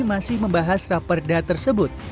masih membahas raperda tersebut